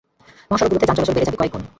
মহাসড়কগুলোতে যান চলাচল বেড়ে যাবে কয়েক গুণ।